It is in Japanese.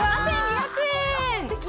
７２００円！